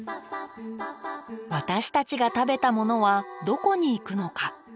私たちが食べたものはどこに行くのか。